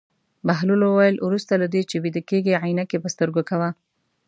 بهلول وویل: وروسته له دې چې ویده کېږې عینکې په سترګو کوه.